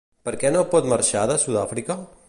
Per què no pot marxar de Sud-àfrica?